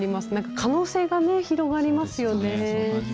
可能性が広がりますよね。